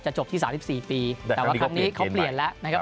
จบที่๓๔ปีแต่ว่าครั้งนี้เขาเปลี่ยนแล้วนะครับ